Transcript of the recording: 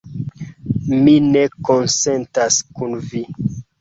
Mi ne konsentas kun vi.